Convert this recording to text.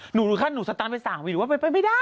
หนูท่านหนูสตันไป๓วิวไม่ได้